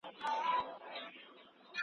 لکه چي زړه کي د لالي وګرځيدمه